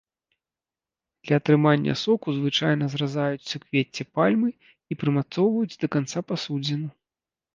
Для атрымання соку звычайна зразаюць суквецце пальмы і прымацоўваюць да канца пасудзіну.